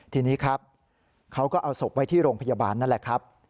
ทีนี้ครับเขาก็เอาศพไว้ที่โรงพยาบาลนั่นแหละครับ